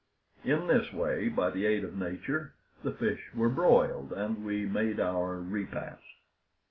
In this way, by the aid of nature, the fish were broiled, and we made our repast.